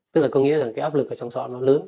tức là có nghĩa là áp lực trong sọ lớn